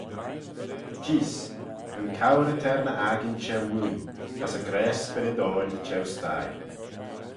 Jees: yn cowrey t'er ny akin çheu-mooie, as y grayse spyrrydoil çheu-sthie.